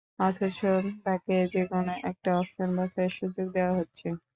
অথচ তাকে যে কোন একটা অপশন বাছাইয়ের সুযোগ দেওয়া হচ্ছে।